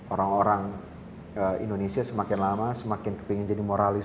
orang orang indonesia semakin lama semakin kepingin jadi moralis